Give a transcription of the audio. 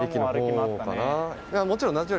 もちろん。